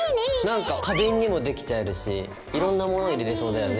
なんか花瓶にもできちゃえるしいろんなもの入れれそうだよね。